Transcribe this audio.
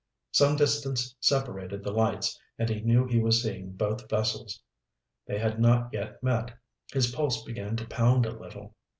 Some distance separated the lights and he knew he was seeing both vessels. They had not yet met. His pulse began to pound a little.